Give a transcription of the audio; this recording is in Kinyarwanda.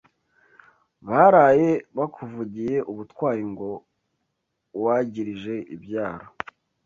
Baraye bakuvugiye ubutwari ngo wagirije ibyaro